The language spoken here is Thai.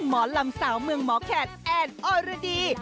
หมอลำสาวเมืองหมอแขกแอนออรดี